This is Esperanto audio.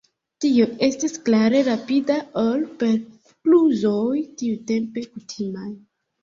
Tio estis klare rapida ol per kluzoj tiutempe kutimaj.